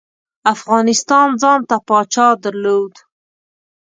افغانستان ځانته پاچا درلود.